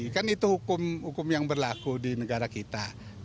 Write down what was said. kan itu hukum hukum yang berlaku di negara kita